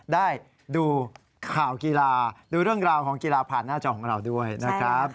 ได้ดูข่าวกีฬาดูเรื่องราวของกีฬาผ่านหน้าจอของเราด้วยนะครับ